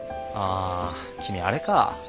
あ君あれか。